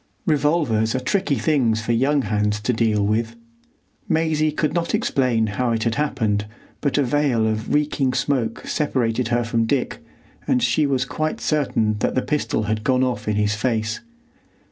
Revolvers are tricky things for young hands to deal with. Maisie could not explain how it had happened, but a veil of reeking smoke separated her from Dick, and she was quite certain that the pistol had gone off in his face.